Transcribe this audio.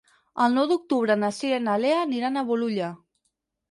El nou d'octubre na Cira i na Lea aniran a Bolulla.